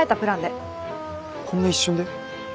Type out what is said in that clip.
こんな一瞬で？